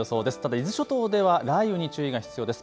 伊豆諸島では雷雨に注意が必要です。